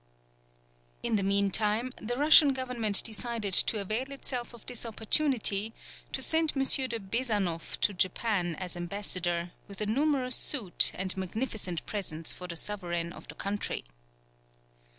In the meantime, the Russian government decided to avail itself of this opportunity to send M. de Besanoff to Japan as ambassador, with a numerous suite, and magnificent presents for the sovereign of the country.